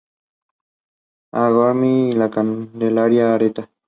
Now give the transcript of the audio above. G. Amorim y de Candelaria Areta.